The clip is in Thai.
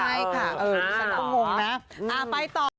ใช่ค่ะฉันก็งงนะ